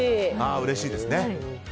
うれしいですね。